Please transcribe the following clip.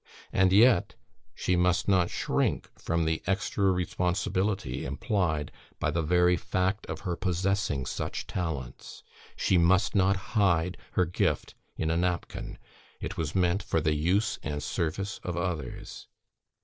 And yet she must not shrink from the extra responsibility implied by the very fact of her possessing such talents. She must not hide her gift in a napkin; it was meant for the use and service of others.